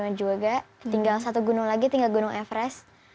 dan juga tinggal satu gunung lagi tinggal gunung everest